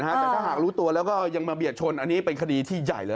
แต่ถ้าหากรู้ตัวแล้วก็ยังมาเบียดชนอันนี้เป็นคดีที่ใหญ่เลย